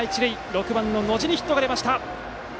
６番、野路にヒットが出ました。